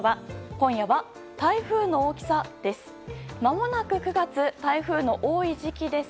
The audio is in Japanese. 今夜は、台風の大きさです。